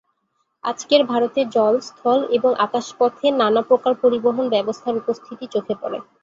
আজকের ভারতে জল, স্থল এবং আকাশপথে নানা প্রকার পরিবহন ব্যবস্থার উপস্থিতি চোখে পড়ে।